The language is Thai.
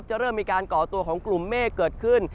เริ่มมีการก่อตัวของกลุ่มเมฆเกิดขึ้น